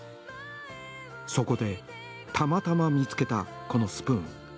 そこで、たまたま見つけたこのスプーン。